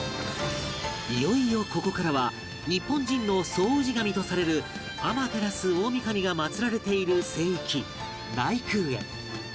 いよいよここからは日本人の総氏神とされる天照大御神が祀られている聖域内宮へ